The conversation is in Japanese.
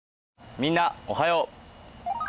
みんなおはよう。